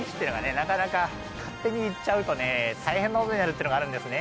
なかなか勝手にいっちゃうと大変なことになるっていうのがあるんですね